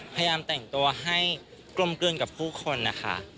พยายามแต่งตัวให้กลมกลืนกับผู้คนนะคะ